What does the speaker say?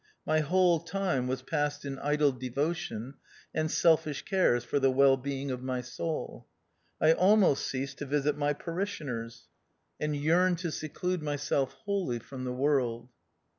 My whole time was passed in idle devotion, and selfish cares for the wellbeing of my soul. I almost ceased to visit my parishioners, 9° THE OUTCAST. and yearned to seclude myself wholly from the world.